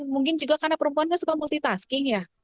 mungkin juga karena perempuannya suka multitasking ya